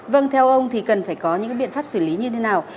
vâng theo ông thì cần phải có những biện pháp xử lý như thế nào